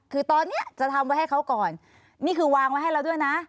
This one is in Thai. คือตอนนี้จะทำไว้ให้เขาก่อนนี่คือวางไว้ให้เราด้วยนะ